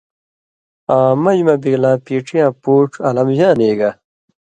آں مژ مہ بِگلاں پیڇی یاں پُوڇ علم جان ای گا۔